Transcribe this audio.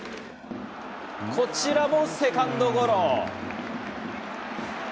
こちらもセカンドゴロ。